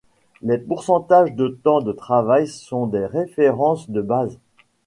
Les pourcentages de temps de travail sont des références de base.